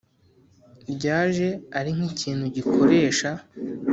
ryaje ari nk ikintu gikoresha